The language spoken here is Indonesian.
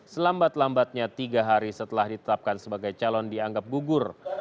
selambat lambatnya tiga hari setelah ditetapkan sebagai calon dianggap gugur